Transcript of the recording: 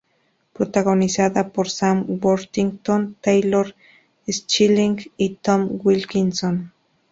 Protagonizada por Sam Worthington, Taylor Schilling y Tom Wilkinson.